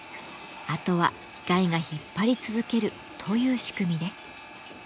あとは機械が引っ張り続けるという仕組みです。